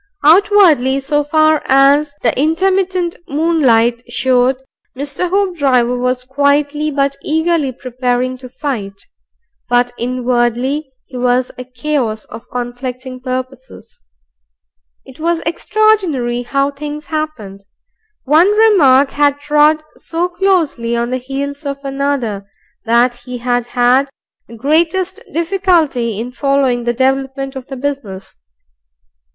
Outwardly, so far as the intermittent moonlight showed, Mr. Hoopdriver was quietly but eagerly prepared to fight. But inwardly he was a chaos of conflicting purposes. It was extraordinary how things happened. One remark had trod so closely on the heels of another, that he had had the greatest difficulty in following the development of the business.